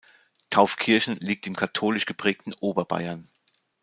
Taufkirchen liegt im katholisch geprägten Oberbayern.